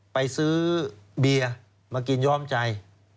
ไปซื้อเบียร์มากินย้อมใจ